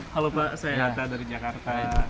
halo pak saya hanta dari jakarta